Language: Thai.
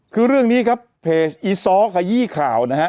คือเรื่องนี้ครับเพจอีซ้อขยี้ข่าวนะฮะ